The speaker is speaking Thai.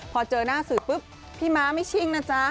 พอเจอหน้าสื่อปุ๊บพี่ม้าไม่ชิ่งนะจ๊ะ